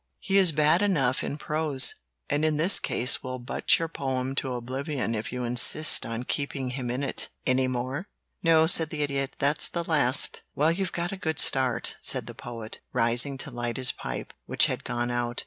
He is bad enough in prose, and in this case will butt your poem to oblivion if you insist on keeping him in it. Any more?" "No," said the Idiot; "that's the last." "Well, you've got a good start," said the Poet, rising to light his pipe, which had gone out.